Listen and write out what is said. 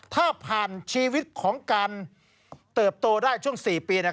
ถ้าผ่านชีวิตของการเติบโตได้ช่วง๔ปี